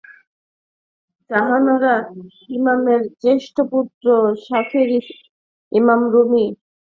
জাহানারা ইমামের জ্যেষ্ঠ পুত্র শাফী ইমাম রুমী বাংলাদেশের মুক্তিযুদ্ধের একজন বীর সেনানী।